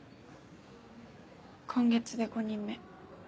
今月で５人目。